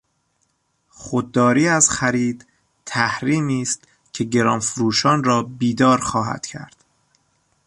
خودداری از خرید تحریمی است که گرانفروشان را بیدار خواهد کرد.